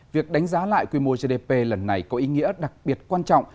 việc đánh giá lại quy mô gdp lần này có ý nghĩa đặc biệt quan trọng